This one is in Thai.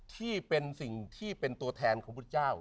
ที่เป็นสิ่งที่เป็นตัวแทนของพุทธเจ้า